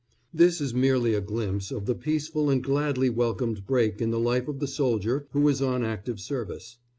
This is merely a glimpse of the peaceful and gladly welcomed break in the life of the soldier who is on active service.